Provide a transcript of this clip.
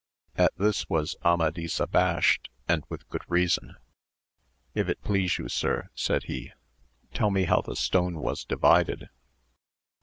At this was Amadis abashed and with good reason : if it please you sir, said he, tell me how the stone was divided.